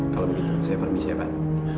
kalau begitu saya permisi ya pak